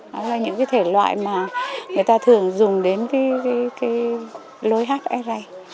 nó là những cái thể loại mà người ta thường dùng đến cái lối hát ây rây